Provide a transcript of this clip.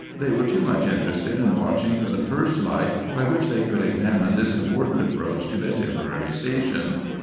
They were too much interested in watching for the first light by which they could examine this important approach to their temporary station.